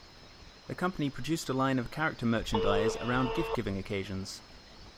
The company produced a line of character merchandise around gift-giving occasions.